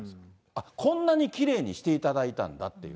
あっ、こんなにきれいにしていただいたんだって。